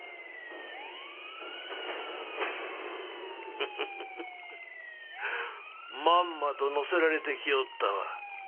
フフフフフまんまと乗せられてきおったわ。